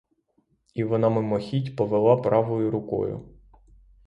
І вона мимохіть повела правою рукою.